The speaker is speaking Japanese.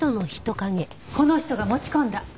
この人が持ち込んだ。